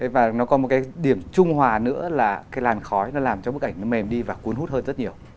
và nó có một cái điểm trung hòa nữa là cái làn khói nó làm cho bức ảnh nó mềm đi và cuốn hút hơn rất nhiều